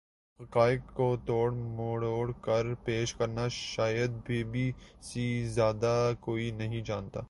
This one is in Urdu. حقائق کو توڑ مروڑ کر پیش کرنا شاید بی بی سی سے زیادہ کوئی نہیں جانتا